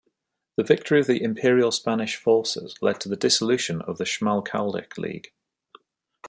The victory of the Imperial-Spanish forces led to the dissolution of the Schmalkaldic League.